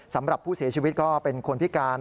สำหรับผู้เสียชีวิตก็เป็นคนพิการ